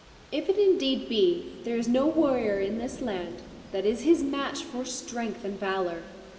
If it indeed be, there is no warrior in this land, that is his match for strength and valour.